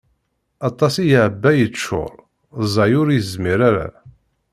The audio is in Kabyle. Aṭas i yeɛebba yeččur, ẓẓay ur yezmir ara.